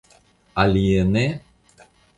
Alie ne?